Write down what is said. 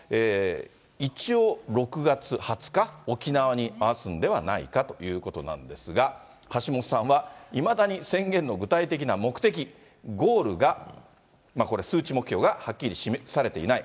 一応、６月２０日、沖縄に合わすんではないかということですが、橋下さんはいまだに宣言の具体的な目的、ゴールが、これ、数値目標がはっきり示されていない。